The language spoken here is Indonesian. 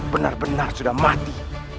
benar benar sudah mati